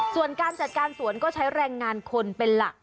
ส่วนการจัดการสวนก็ใช้แรงงานคนเป็นหลัก